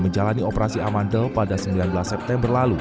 menjalani operasi amandel pada sembilan belas september lalu